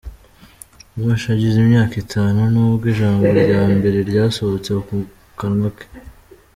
Moshé agize imyaka itanu, nibwo ijambo rya mbere ryasohotse mu kanwa ke.